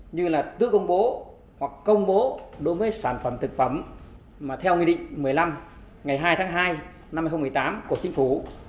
như là tự công bố hoặc công bố đối với sản phẩm thực phẩm mà theo nghị định một mươi năm ngày hai tháng hai năm hai nghìn một mươi tám của chính phủ